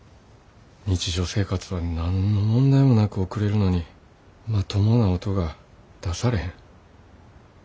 日常生活は何の問題もなく送れるのにまともな音が出されへん。